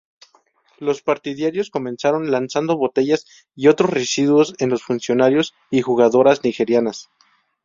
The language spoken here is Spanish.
Los partidarios comenzaron lanzando botellas y otros residuos en los funcionarios y jugadoras nigerianas.